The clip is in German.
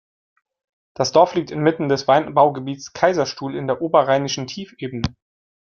Das Dorf liegt inmitten des Weinanbaugebiets Kaiserstuhl in der Oberrheinischen Tiefebene.